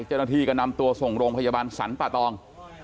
เจ้าหน้าที่ก็นำตัวส่งโรงพยาบาลสรรปะตอง